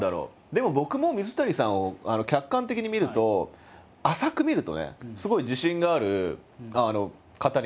でも僕も水谷さんを客観的に見ると浅く見るとねすごい自信がある方に見えるんですよ。